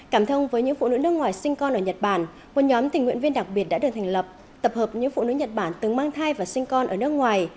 cảm thông với những phụ nữ nước ngoài sinh con ở nhật bản một nhóm tình nguyện viên đặc biệt đã được thành lập tập hợp những phụ nữ nhật bản từng mang thai và sinh con ở nước ngoài